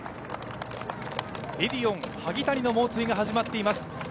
エディオン・萩谷の猛追が始まっています。